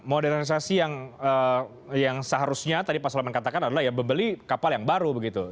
modernisasi yang seharusnya tadi pak soleman katakan adalah ya membeli kapal yang baru begitu